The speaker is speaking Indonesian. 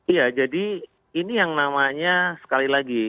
iya jadi ini yang namanya sekali lagi